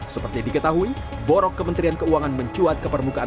seperti diketahui borok kementerian keuangan mencuat ke permukaan